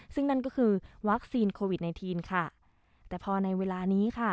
ซึ่งนั่นก็คือวัคซีนโควิดในทีนค่ะแต่พอในเวลานี้ค่ะ